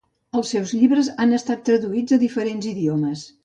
Els seus llibres han estat traduïts a diferents idiomes.